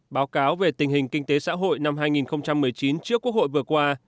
báo cáo về tình hình kinh tế xã hội năm hai nghìn một mươi chín trước quốc hội vừa qua